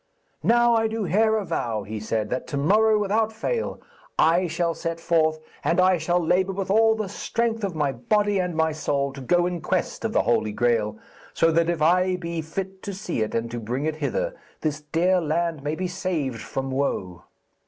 'Now I do here avow,' he said, 'that to morrow, without fail, I shall set forth, and I shall labour with all the strength of my body and my soul to go in quest of the Holy Graal, so that if I be fit to see it and to bring it hither, this dear land may be saved from woe.'